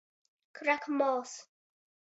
Krakmols.